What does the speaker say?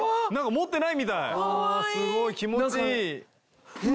持ってないみたいすごい気持ちいい。